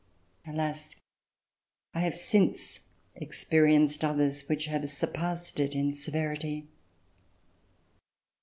Alas, I have since experienced others which have surpassed it in severity.